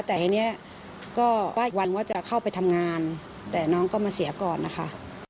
แต่ทีนี้ก็อีกวันว่าจะเข้าไปทำงานแต่น้องก็มาเสียก่อนนะคะ